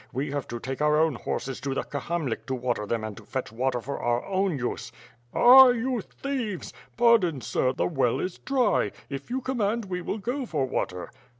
We have to take our own horses to the Kahamlik to water them and to fetch water for our own use." "Ah! you thieves!" "Pardon, sir, the well is dry. If you command, we will go for water."